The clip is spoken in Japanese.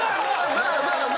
まあまあ！